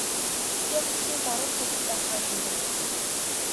Гэхдээ хотын баруун зүгт байх аа гээрэй.